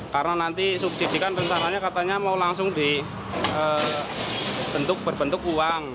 karena nanti subsidi kan katanya mau langsung berbentuk uang